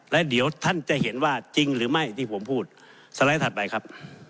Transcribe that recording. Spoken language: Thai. และเดี๋ยวท่านจะเห็นว่าจริงหรือไม่ที่ผมพูดสไลด์ถัดไปครับ